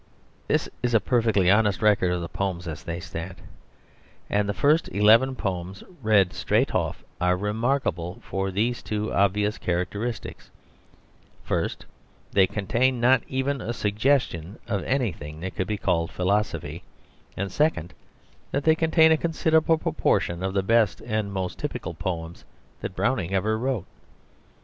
This is a perfectly honest record of the poems as they stand. And the first eleven poems read straight off are remarkable for these two obvious characteristics first, that they contain not even a suggestion of anything that could be called philosophy; and second, that they contain a considerable proportion of the best and most typical poems that Browning ever wrote.